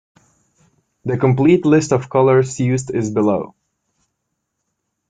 The complete list of colors used is below.